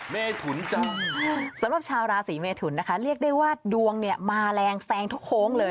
เมถุนจ้ะสำหรับชาวราศีเมทุนนะคะเรียกได้ว่าดวงเนี่ยมาแรงแซงทุกโค้งเลย